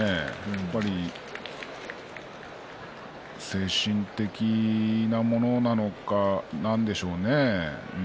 やっぱり精神的なものなのか何でしょうね